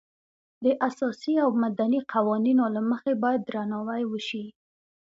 د اساسي او مدني قوانینو له مخې باید درناوی وشي.